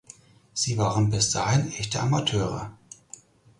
Sie waren bis dahin echte Amateure.